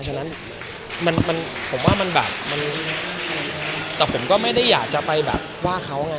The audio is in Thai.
ฉะนั้นผมว่ามันแบบมันแต่ผมก็ไม่ได้อยากจะไปแบบว่าเขาไง